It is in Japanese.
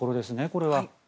これは。